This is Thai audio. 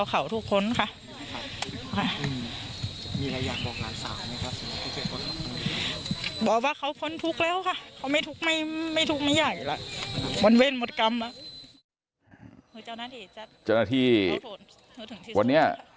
กลุ่มตัวเชียงใหม่